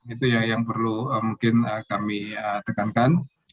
itu yang perlu mungkin kami tekankan